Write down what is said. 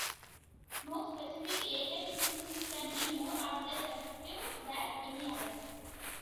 No specific agent is significantly more or less effective than any other.